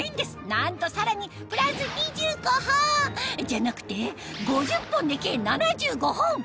なんとさらにプラス２５本じゃなくて５０本で計７５本！